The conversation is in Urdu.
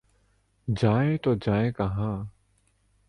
جائیں تو جائیں کہاں؟